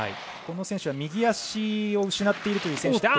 この選手は右足を失っているという選手。